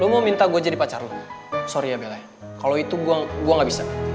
lo mau minta gue jadi pacar lo sorry ya belay kalau itu gue gak bisa